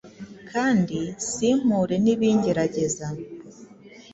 kandi simpure n’ibingerageza